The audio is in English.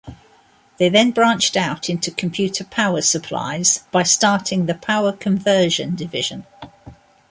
They then branched out into computer power supplies by starting the Power Conversion Division.